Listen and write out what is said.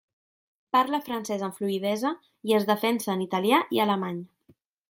Parla francès amb fluïdesa, i es defensa en italià i alemany.